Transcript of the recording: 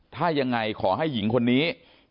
ถ้ายังไงขอให้หญิงคนนี้